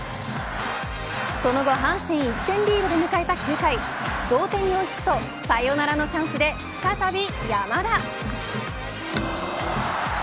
その後阪神１点リードで迎えた９回同点に追い付くとサヨナラのチャンスで再び山田。